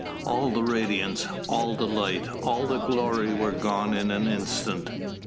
All the radiance, all the light, all the glory were gone in an instant.